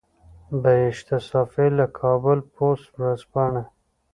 بهشته صافۍ له کابل پوسټ ورځپاڼې.